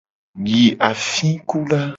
Yi afikuda.